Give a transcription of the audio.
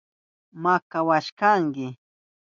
Makawashkanki.